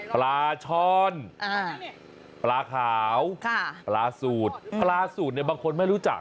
ปลาช่อนปลาขาวปลาสูตรปลาสูตรเนี่ยบางคนไม่รู้จัก